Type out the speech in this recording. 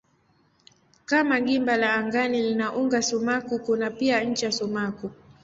Kama gimba la angani lina uga sumaku kuna pia ncha sumaku.